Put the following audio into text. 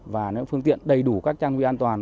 và những phương tiện đầy đủ các trang thân vị an toàn